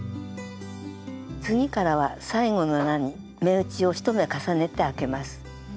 次からは最後の穴に目打ちを１目重ねてあけます。